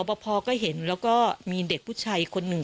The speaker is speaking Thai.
พอก็เห็นแล้วก็มีเด็กผู้ชายคนหนึ่ง